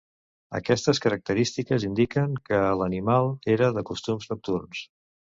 Aquestes característiques indiquen que l'animal era de costums nocturns.